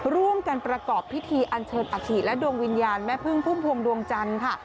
ร่วมกันประกอบพิธีอันเชิญอัฐิและดวงวิญญาณแม่พึ่งพุ่มพวงดวงจันทร์ค่ะ